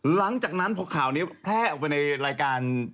หลังจากนั้นพอข่าวนี้แพร่ออกไปในรายการ